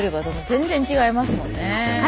全然違いますね。